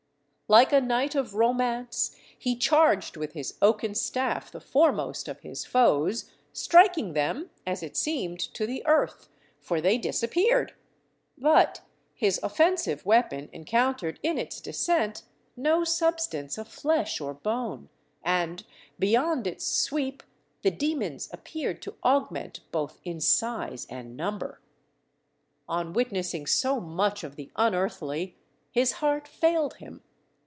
Like a knight of romance he charged with his oaken staff the foremost of his foes, striking them, as it seemed, to the earth, for they disappeared, but his offensive weapon encountered in its descent no substance of flesh or bone, and beyond its sweep the demons appeared to augment both in size and number. On witnessing so much of the unearthly, his heart failed him.